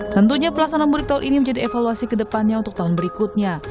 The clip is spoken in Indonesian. tentunya pelaksanaan mudik tahun ini menjadi evaluasi kedepannya untuk tahun berikutnya